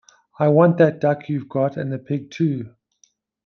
I want that duck you’ve got — and the pig too.